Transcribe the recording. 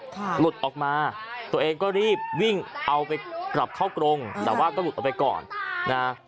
หลุดออกมาตัวเองก็รีบวิ่งเอาไปกลับเข้ากรงแต่ว่าก็หลุดออกไปก่อนนะ